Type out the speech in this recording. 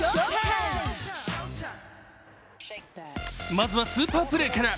まずはスーパープレーから。